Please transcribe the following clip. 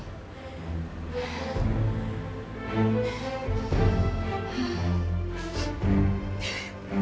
nanti kita bersama